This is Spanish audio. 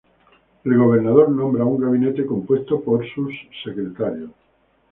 El gobernador nombra un gabinete compuesto por sus "secretarios".